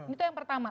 itu yang pertama